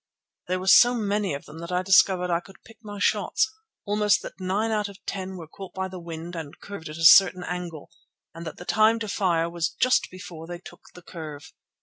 There were so many of them that I discovered I could pick my shots; also that nine out of ten were caught by the wind and curved at a certain angle, and that the time to fire was just before they took the curve.